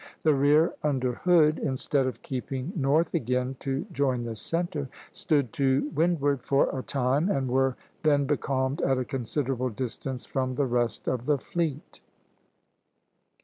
The rear, under Hood, instead of keeping north again to join the centre, stood to windward for a time, and were then becalmed at a considerable distance from the rest of the fleet.